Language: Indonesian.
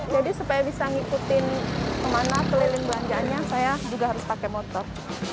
jadi supaya bisa ngikutin kemana keliling belanjaannya saya juga harus pakai motor